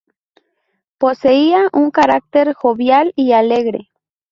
Poseía un carácter jovial y alegre.